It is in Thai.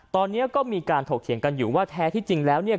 ตอนนี้ก็มีการถกเถียงกันอยู่ว่าแท้ที่จริงแล้วเนี่ย